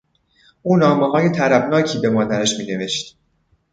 او نامههای طربناکی به مادرش مینوشت.